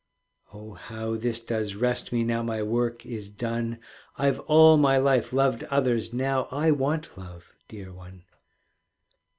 Oh, how this does rest me Now my work is done! I've all my life loved others, Now I want love, dear one.